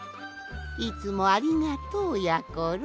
いつもありがとうやころ。